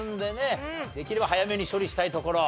できれば早めに処理したいところ。